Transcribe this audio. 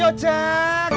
jalan jalan men